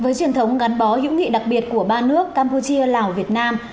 với truyền thống gắn bó hữu nghị đặc biệt của ba nước campuchia lào việt nam